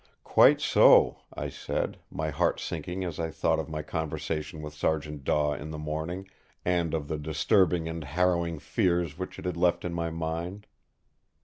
"Quite so!" I said, my heart sinking as I thought of my conversation with Sergeant Daw in the morning, and of the disturbing and harrowing fears which it had left in my mind.